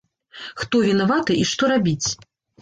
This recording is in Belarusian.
Хто вінаваты і што рабіць?